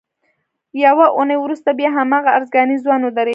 یوه اونۍ وروسته بیا هماغه ارزګانی ځوان ودرېد.